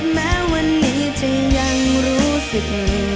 แม้วันนี้จะยังรู้สึก